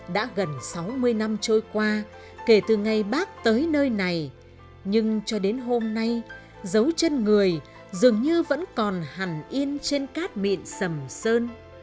đã gần sáu mươi năm trôi qua kể từ ngày bác tới nơi này nhưng cho đến hôm nay dấu chân người dường như vẫn còn hẳn yên trên cát mịn sầm sơn